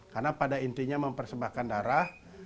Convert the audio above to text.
karena pada intinya mempersembahkan darah